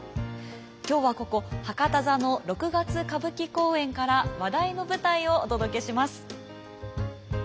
今日はここ博多座の６月歌舞伎公演から話題の舞台をお届けします。